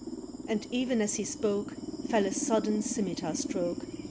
And even as he spoke Fell a sudden scimitar stroke.